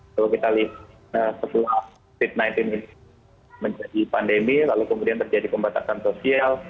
nah setelah covid sembilan belas ini menjadi pandemi lalu kemudian terjadi pembatasan sosial